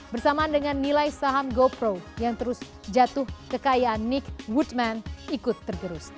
bersamaan dengan nilai saham go pro yang terus jatuh kekayaan nick woodman ikut tergerus